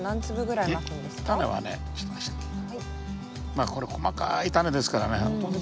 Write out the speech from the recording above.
まあこれ細かいタネですからね